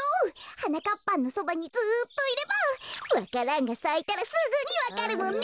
はなかっぱんのそばにずっといればわか蘭がさいたらすぐにわかるもんね。